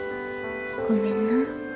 ごめんな。